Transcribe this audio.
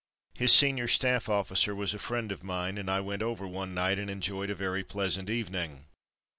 His senior staff officer was a friend of mine, and I went over one night and enjoyed a very pleasant evening.